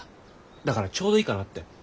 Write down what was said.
だからちょうどいいかなって。